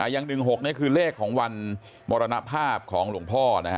อย่าง๑๖นี่คือเลขของวันมรณภาพของหลวงพ่อ